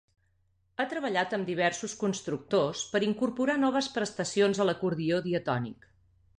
Ha treballat amb diversos constructors per incorporar noves prestacions a l’acordió diatònic.